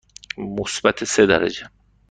مثبت سه درجه.